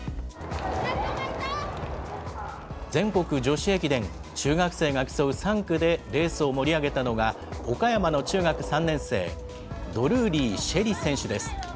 全国女子駅伝、中学生が競う３区でレースを盛り上げたのが、岡山の中学３年生、ドルーリー朱瑛里選手です。